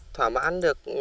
thỏa mãn được